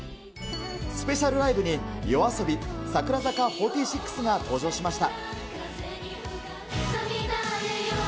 スペシャルライブにＹＯＡＳＯＢＩ、櫻坂４６が登場しました。